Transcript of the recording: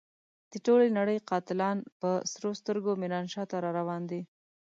د ټولې نړۍ قاتلان په سرو سترګو ميرانشاه ته را روان دي.